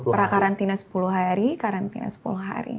pra karantina sepuluh hari karantina sepuluh hari